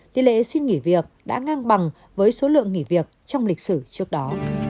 tỷ lệ xin nghỉ việc đã ngang bằng với số lượng nghỉ việc trong lịch sử trước đó